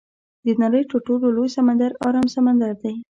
د نړۍ تر ټولو لوی سمندر ارام سمندر دی.